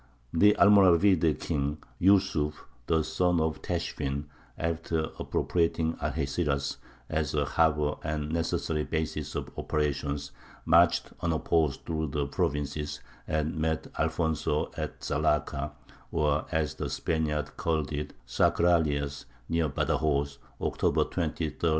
The Almoravide king, Yūsuf, the son of Teshfīn, after appropriating Algeciras, as a harbour and necessary basis of operations, marched unopposed through the provinces, and met Alfonso at Zallāka, or, as the Spaniards call it, Sacralias, near Badajoz, October 23, 1086.